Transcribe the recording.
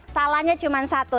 salahnya cuma satu